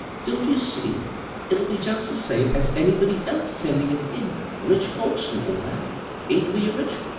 " Don't you see ? If 11 be just the same as anybody else sendin' it in — ^rich folks, and all that. Ain't we rich?